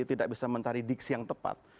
tidak bisa mencari diksi yang tepat